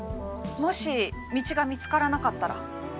もし道が見つからなかったら？